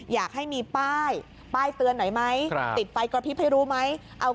อยากให้มีป้ายป้ายเตือนหน่อยไหมติดไฟกระพริบให้รู้ไหม